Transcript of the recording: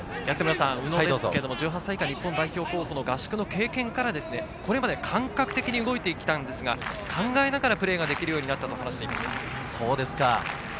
宇野ですが１８歳以下日本代表の合宿の経験から、これまで感覚的に動いてきたんですが、考えながらプレーができるようになったと話しています。